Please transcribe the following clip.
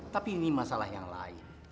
tapi ini masalah yang lain